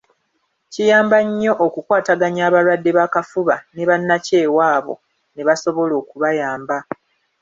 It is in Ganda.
Kiyamba nnyo okukwataganya abalwadde b’akafuba ne bannakyewa abo ne basobola okubayamba.